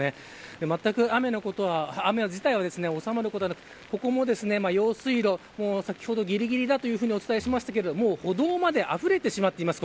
まったく雨自体は収まることはなくここも、用水路先ほどぎりぎりだとお伝えしましたがもう歩道まであふれてしまっています。